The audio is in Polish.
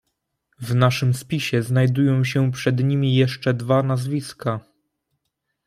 "W naszym spisie znajdują się przed nim jeszcze dwa nazwiska."